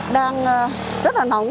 đang rất là nóng